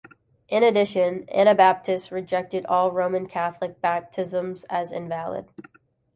In addition, Anabaptists rejected all Roman Catholic baptism as invalid.